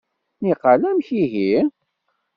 Niqal amek ihi?